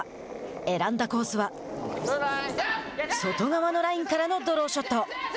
選んだコースは外側のラインからのドローショット。